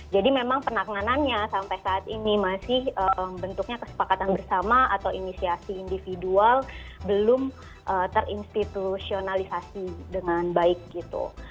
jadi memang penanganannya sampai saat ini masih bentuknya kesepakatan bersama atau inisiasi individual belum terinstitusionalisasi dengan baik gitu